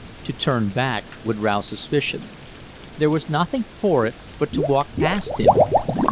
To turn back would rouse suspicion. There was nothing for it but to walk past him.